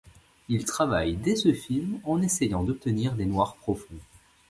Il travaille dès ce film en essayant d'obtenir des noirs profonds.